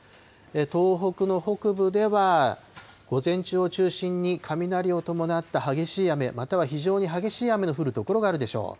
東北の北部では、午前中を中心に雷を伴った激しい雨、または非常に激しい雨の降る所があるでしょう。